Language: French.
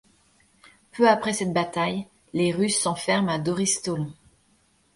Peu après cette bataille, les Russes s'enferment à Dorystolon.